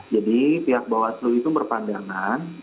jadi pihak bawah aslu itu berpandangan